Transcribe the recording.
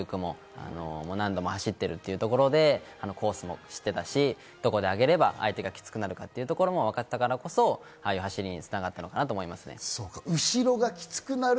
山野選手は９区を何度も走っているというところでコースも知っていたし、どこで上げれば、相手がキツくなるかというところも分かっていたからこそ、ああいう走りに繋がったのかなと思います。